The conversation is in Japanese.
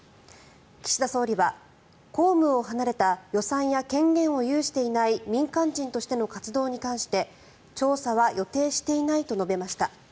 岸田総理は、公務を離れた予算や権限を有していない民間人としての活動に関して調査は予定していないと述べました。